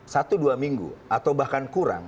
satu dua minggu atau bahkan kurang